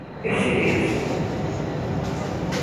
Exílianse.